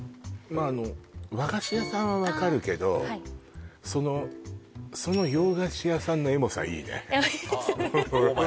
まあ和菓子屋さんは分かるけどそのその洋菓子屋さんのエモさいいね